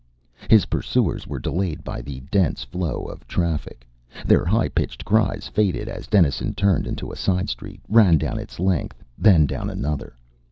His pursuers were delayed by the dense flow of traffic. Their high pitched cries faded as Dennison turned into a side street, ran down its length, then down another.